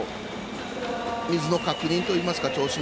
水の確認といいますか